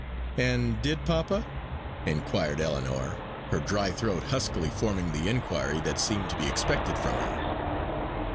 "And did papa?" inquired Ellinor, her dry throat huskily forming the inquiry that seemed to be expected from her.